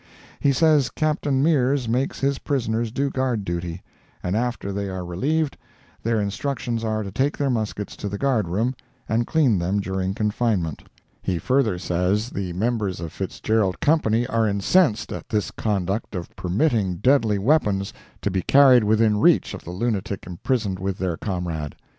He says Captain Mears makes his prisoners do guard duty, and after they are relieved, their instructions are to take their muskets to the guard room and clean them during confinement. He further says the members of Fitzgerald's Company are incensed at this conduct of permitting deadly weapons to be carried within reach of the lunatic imprisoned with their comrade.